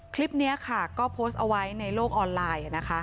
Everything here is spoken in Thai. คลิปนี้ค่ะก็โพสต์เอาไว้ในโลกออนไลน์